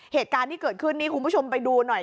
เหตุการณ์ที่เกิดขึ้นนี่คุณผู้ชมไปดูหน่อย